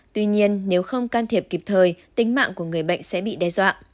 tuy nhiên nếu không can thiệp kịp thời tính mạng của người bệnh sẽ bị đe dọa